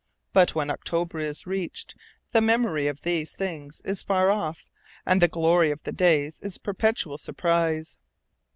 But when October is reached, the memory of these things is afar off, and the glory of the days is a perpetual surprise.